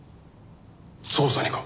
捜査にか？